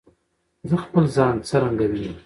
زه خپل ځان څرنګه وینم؟